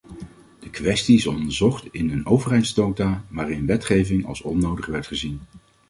De kwestie is onderzocht in een overheidsnota, waarin wetgeving als onnodig werd gezien.